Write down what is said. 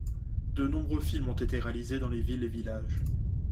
De nombreux films ont été réalisés dans les villes et villages.